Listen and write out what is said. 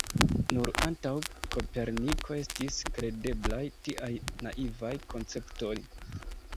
Nur antaŭ Koperniko estis kredeblaj tiaj naivaj konceptoj.